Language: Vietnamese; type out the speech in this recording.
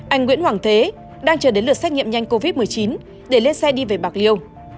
anh nguyễn hoàng thế đang chờ đến lượt xét nghiệm nhanh covid một mươi chín để lên xe đi về bạc liêu